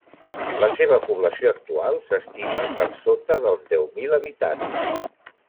La seva població actual s'estima per sota dels deu mil habitants.